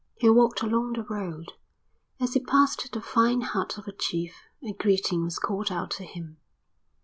He walked along the road. As he passed the fine hut of a chief a greeting was called out to him.